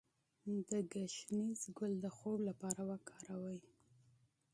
د ګشنیز ګل د خوب لپاره وکاروئ